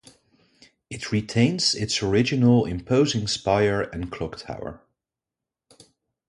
It retains its original imposing spire and clock tower.